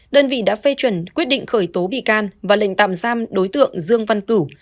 đơn vị đã phê chuẩn quyết định khởi tố bị can và lệnh tạm giam đối tượng dương văn cửu